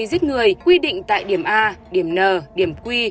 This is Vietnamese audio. phạm tội giết người quy định tại điểm a điểm n điểm q